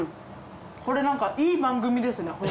これ何かいい番組ですね